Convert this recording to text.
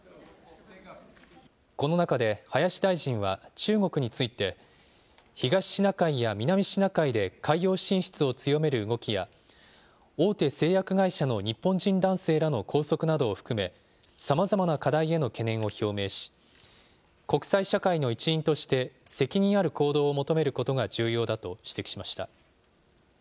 この中で林大臣は中国について、東シナ海や南シナ海で海洋進出を強める動きや、大手製薬会社の日本人男性らの拘束などを含め、さまざまな課題への懸念を表明し、国際社会の一員として、責任ある行動を求めることが重要だと指摘しました。